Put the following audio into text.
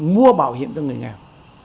mua bảo hiểm cho người nghèo